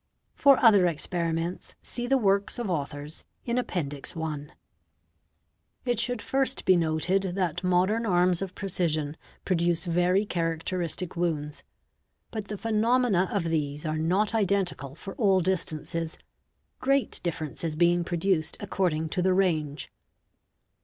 For other — experiments see the works of authors in Appendix [. (985 992 & Rae, It should first be noted that modern arms of precision produce very characteristic wounds, but the phenomena of these are not identical for | all distances, great differences being produced according to the range.